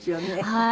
はい。